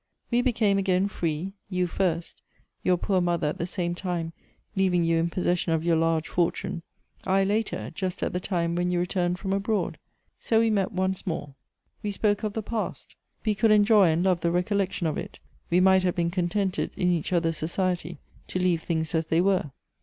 We became again fi ee — you first, your poor mother at the same time leaving you in pos session of your large fortune ; I later, just at the time when you returned from abroad. So we met once more. We spoke of the past; we could enjoy and love the rec ollection of it ; we might have been contented in each other's society, to leave things as they were.